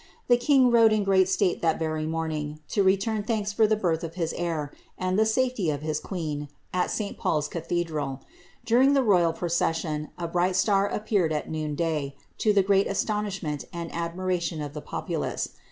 The king rode in great state that very morning, to return thanks ff>r the birth of his heiTi and the safety of his queen, at St. PauPs Cathedral. During the royd procession, a bright star appeared at noon day, to the great astonishment and admiration of the populace.